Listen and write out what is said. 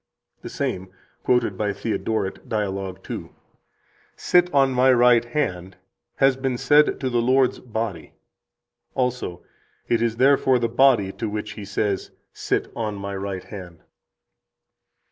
74 The same, quoted by Theodoret, Dialog 2 (t. 3, p. 286): "'Sit on My right hand,' has been said to the Lord's body." Also: "It is therefore the body to which He says, 'Sit on My right hand.'"